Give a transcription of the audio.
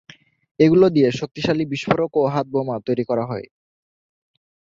এগুলো দিয়ে শক্তিশালী বিস্ফোরক ও হাতবোমা তৈরি করা হয়।